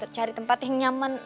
cari tempat yang nyaman